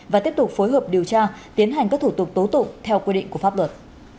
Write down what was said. và tiếp tục phối hợp điều tra tiến hành các thủ tục tố tụng theo quy định của pháp luật